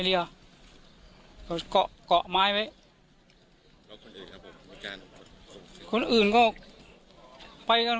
ได้แต่ครูครับไม่เอาไม่ได้